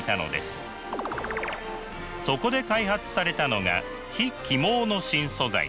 そこで開発されたのが非起毛の新素材。